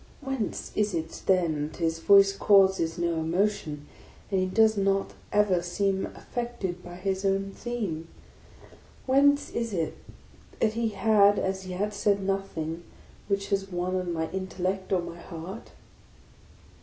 Whence is it then that his voice causes no emotion, and he does not ever seem affected by his own theme? Whence is it that he had as yet said nothing which has won on my intellect or my heart?